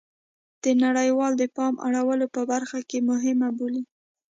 د نړیواله د پام اړولو په برخه کې مهمه بولي